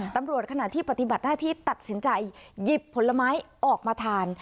ขณะที่ปฏิบัติหน้าที่ตัดสินใจหยิบผลไม้ออกมาทาน